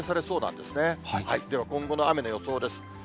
では今後の雨の予想です。